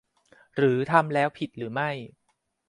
หรือทำแล้วผิดหรือไม่